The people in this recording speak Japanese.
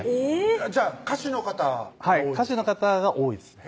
じゃあ歌手の方はい歌手の方が多いですね